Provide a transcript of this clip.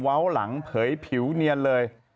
เว้าหลังเพยร์ศิลป์เนียนเลย